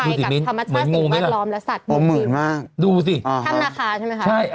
กับธรรมชาติสิ่งแวดล้อมและสัตว์มืดนะครับดูสิธรรมนาคาใช่ไหมครับอ๋อดูสิอ๋อฮ่า